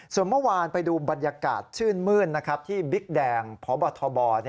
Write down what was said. ส่วนเมื่อวานไปดูบรรยากาศชื่นมื้นที่บิ๊กแดงพบทบ